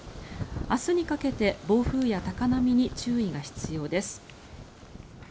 明日にかけて暴風や高波に注意が必要です。